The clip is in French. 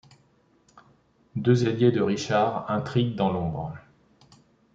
Deux alliés de Richard intriguent dans l'ombre.